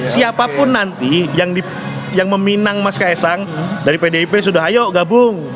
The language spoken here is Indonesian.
siapapun nanti yang meminang mas kaisang dari pdip sudah ayo gabung